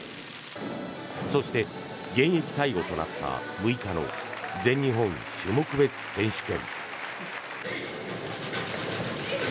そして、現役最後となった６日の全日本種目別選手権。